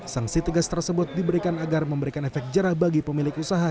sanksi tegas tersebut diberikan agar memberikan efek jerah bagi pemilik usaha